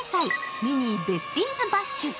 「ミニー・ベスティーズ・バッシュ！」